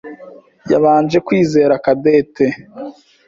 yabanje kwizera Cadette.